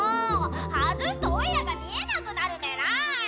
外すとオイラが見えなくなるメラ！